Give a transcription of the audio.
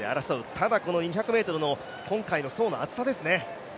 ただ、この２００ｍの今回の層の厚さですね。